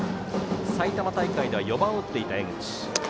埼玉大会では４番を打っていた江口。